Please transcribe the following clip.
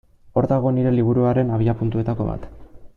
Hor dago nire liburuaren abiapuntuetako bat.